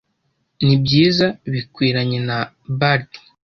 Nibyiza bikwiranye na bard--